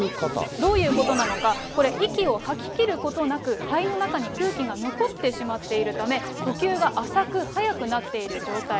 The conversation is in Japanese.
どういうことなのか、これ、息を吐き切ることなく、肺の中に空気が残ってしまっているため、呼吸が浅く、速くなっている状態。